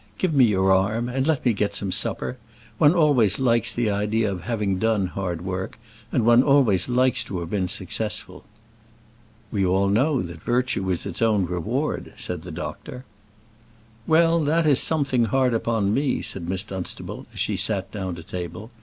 Give me your arm, and let me get some supper. One always likes the idea of having done hard work, and one always likes to have been successful." "We all know that virtue is its own reward," said the doctor. "Well, that is something hard upon me," said Miss Dunstable, as she sat down to table.